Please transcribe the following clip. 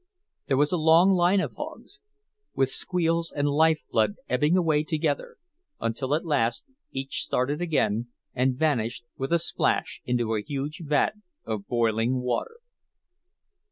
There was a long line of hogs, with squeals and lifeblood ebbing away together; until at last each started again, and vanished with a splash into a huge vat of boiling water.